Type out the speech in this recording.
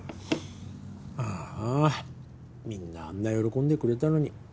ああみんなあんな喜んでくれたのに。